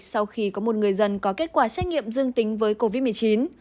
sau khi có một người dân có kết quả xét nghiệm dương tính với covid một mươi chín